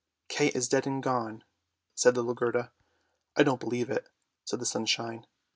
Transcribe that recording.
" Kay is dead and gone," said little Gerda. " I don't believe it," said the sunshine.